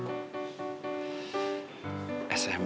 jika seperti ini semua